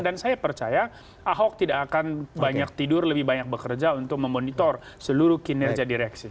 dan saya percaya ahok tidak akan banyak tidur lebih banyak bekerja untuk memonitor seluruh kinerja direksi